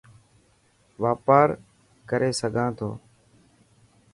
واپار ڪري سگھان ٿو.